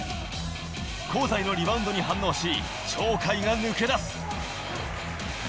香西のリバウンドに反応し、鳥海が抜け出す。